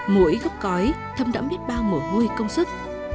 mỗi gốc cói thâm đẫm biết bao mổ hôi công sức